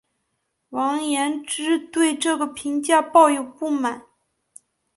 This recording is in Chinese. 王延之对这个评价抱有不满。